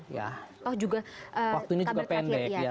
waktu ini juga pendek ya